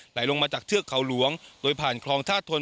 ลงมาจากเทือกเขาหลวงโดยผ่านคลองท่าทน